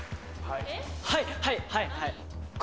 はいはいはいはい。